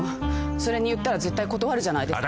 それに言ったら絶対断るじゃないですか。